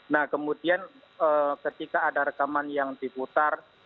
nah kemudian ketika ada rekaman yang diputar